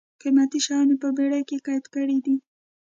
قېمتي شیان یې په بېړۍ کې قید کړي دي.